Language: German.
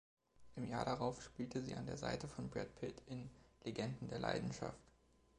Im Jahr darauf spielte sie an der Seite von Brad Pitt in „Legenden der Leidenschaft“.